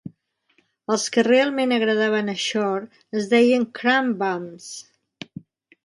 Els que realment agradaven a Shor es deien "crum-bums".